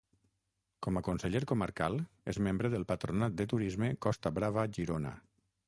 Com a conseller comarcal és membre del Patronat de Turisme Costa Brava Girona.